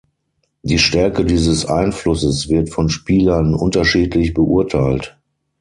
Die Stärke dieses Einflusses wird von Spielern unterschiedlich beurteilt.